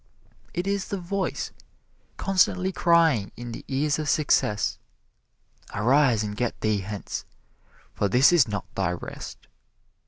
It is the voice constantly crying in the ears of success, "Arise and get thee hence, for this is not thy rest."